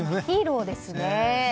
ヒーローですね。